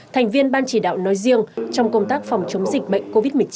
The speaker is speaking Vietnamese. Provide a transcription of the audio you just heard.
thành viên ban chỉ đạo nói riêng trong công tác phòng chống dịch bệnh covid một mươi chín